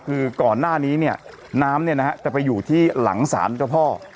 คือก่อนหน้านี้เนี่ยน้ำจะไปอยู่ที่หลังศาลเจ้าพ่อ